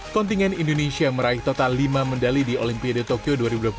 kontingen indonesia meraih total lima medali di olimpiade tokyo dua ribu dua puluh